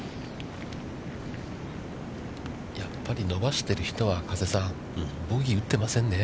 やっぱり伸ばしてる人は、加瀬さん、ボギー打ってませんね。